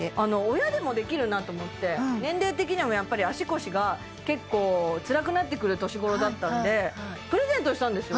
親でもできるなって思って年齢的にもやっぱり足腰が結構つらくなってくる年頃だったんでプレゼントしたんですよ